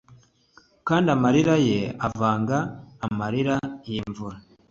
kandi amarira ye avanga amarira y'imvura